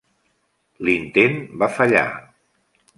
L'intent va fallar.